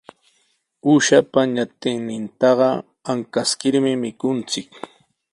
Uushapa ñatinnintaqa ankaskirmi mikunchik.